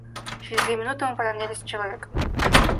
Через две минуты мы поровнялись с человеком.